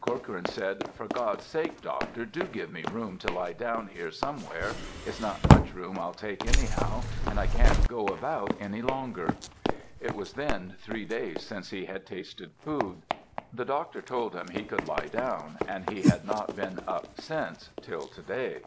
Corcoran said, "For God's sake, Doctor, do give me room to lie down here somewhere; it's not much room I'll take anyhow, and I can't go about any longer!" It was then three days since he had tasted food. The doctor told him he could lie down, and he had not been up since till to day.